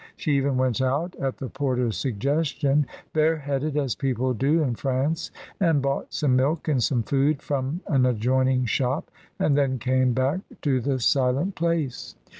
She even went out, ai the porter's suggestion, bareheaded, as people do in France, and bought some milk and some food from an adjoining shop, and then came back to the silent place.